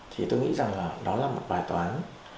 thì tôi nghĩ rằng là đó là một bài toán